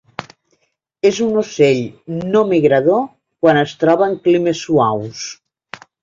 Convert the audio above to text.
És un ocell no migrador quan es troba en climes suaus.